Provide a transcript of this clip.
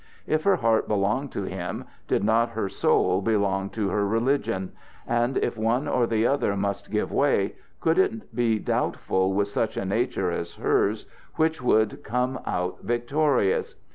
If her heart belonged to him, did not her soul belong to her religion; and if one or the other must give way, could it be doubtful with such a nature as hers which would come out victorious?